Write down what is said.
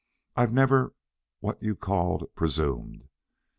I've never what you call presumed.